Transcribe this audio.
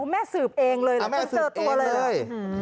แม่สืบเองเลยแล้วไม่เจอตัวเลย